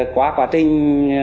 qua quá trình